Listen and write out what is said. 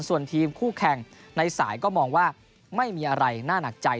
ส่วนทีมคู่แข่งในสายก็มองว่าไม่มีอะไรน่าหนักใจ